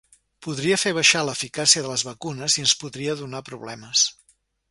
Podria fer baixar l’eficàcia de les vacunes i ens podria donar problemes.